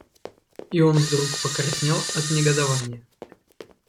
И он вдруг покраснел от негодования.